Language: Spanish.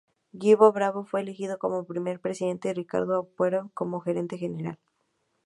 Guido Bravo fue elegido como primer presidente y Ricardo Ampuero como gerente general.